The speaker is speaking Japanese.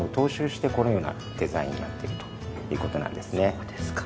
そうですか。